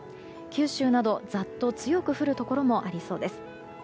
九州など、ざっと強く降るところもありそうです。